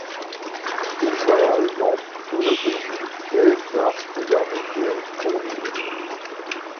Il voyage dans tout le pays et exerce divers métiers pour vivre.